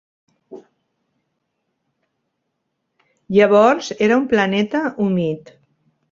Llavors era un planeta humit.